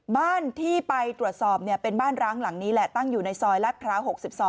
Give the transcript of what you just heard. บ้านที่ไปตรวจสอบเป็นบ้านร้างหลังนี้แหละตั้งอยู่ในซอยลาดพร้าว๖๒